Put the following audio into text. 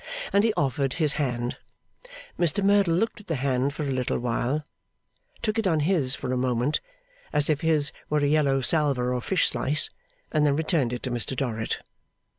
And he offered his hand. Mr Merdle looked at the hand for a little while, took it on his for a moment as if his were a yellow salver or fish slice, and then returned it to Mr Dorrit.